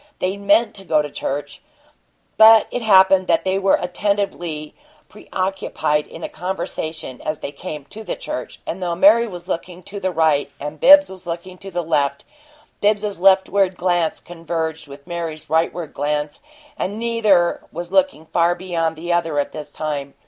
They meant to go to church. But it happened that they were attentively preoccupied in a conversation as they came to the church; and though Mary was looking to the right and Bibbs was looking to the left, Bibbs's leftward glance converged with Mary's rightward glance, and neither was looking far beyond the other at this time.